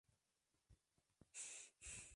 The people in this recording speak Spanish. Es autor de varios manuales de economía.